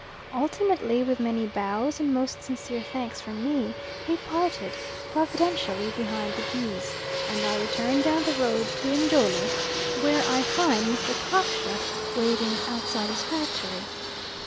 Ultimately, with many bows and most sincere thanks from me, we parted, providentially beyond the geese, and I returned down the road to Njole, where I find Mr. Cockshut waiting outside his factory.